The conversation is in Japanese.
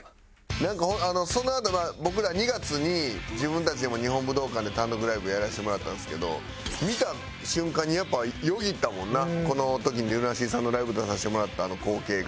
なんかそのあとは僕ら２月に自分たちでも日本武道館で単独ライブやらせてもらったんですけど見た瞬間にやっぱよぎったもんなこの時にＬＵＮＡＳＥＡさんのライブ出させてもらったあの光景が。